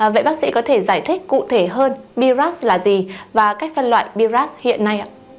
vậy bác sĩ có thể giải thích cụ thể hơn biras là gì và cách phân loại biras hiện nay ạ